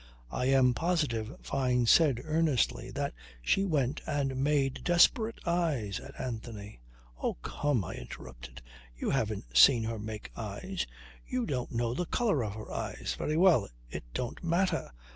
"I am positive," Fyne said earnestly, "that she went and made desperate eyes at Anthony ..." "Oh come!" I interrupted. "You haven't seen her make eyes. You don't know the colour of her eyes." "Very well! It don't matter.